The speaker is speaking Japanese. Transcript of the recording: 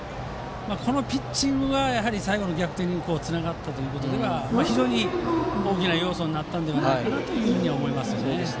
このピッチングが最後の逆転につながったということで非常に大きな要素になったかなと思います。